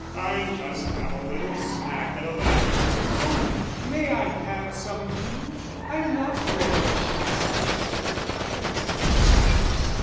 I just have a little snack at eleven." "Oh, may I have some too? I love bread and cheese, and I'm perfectly ravenous."